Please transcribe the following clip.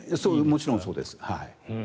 もちろんそうです。